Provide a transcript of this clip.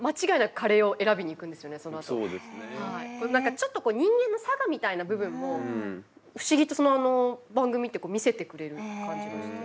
ちょっと人間の性みたいな部分も不思議とその番組って見せてくれる感じがして。